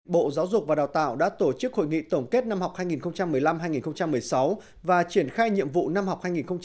bộ giáo dục và đào tạo đã tổ chức hội nghị tổng kết năm học hai nghìn một mươi năm hai nghìn một mươi sáu và triển khai nhiệm vụ năm học hai nghìn hai mươi hai nghìn hai mươi